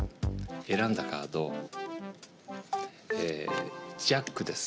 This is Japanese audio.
選んだカードえジャックです。